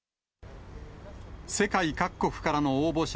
世界各国からの応募者